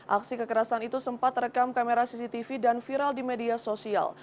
aksi kekerasan itu sempat rekam kamera cctv dan viral di media sosial